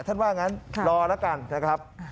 ว่างั้นรอแล้วกันนะครับ